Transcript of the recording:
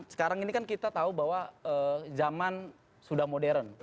sekarang ini kan kita tahu bahwa zaman sudah modern